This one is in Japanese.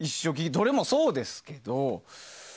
どれもそうですけど。